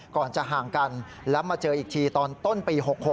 ก่อนจะห่างกันแล้วมาเจออีกทีตอนต้นปี๖๖